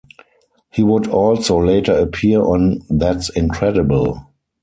He would also later appear on "That's Incredible!".